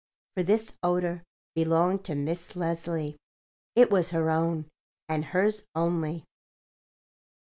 For this odour belonged to Miss Leslie; it was her own, and hers only.